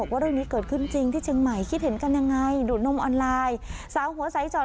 คนนั้นจะเห็นแล้ว